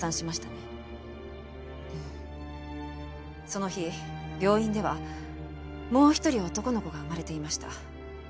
その日病院ではもう一人男の子が生まれていました。